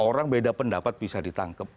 orang beda pendapat bisa ditangkap